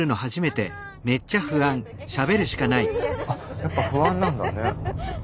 あやっぱ不安なんだね。